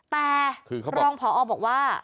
แต่รองพอบอกว่า